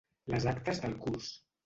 Les actes del curs.